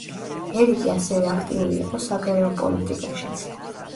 ერიკი ასევე აქტიური იყო საგარეო პოლიტიკაშიც.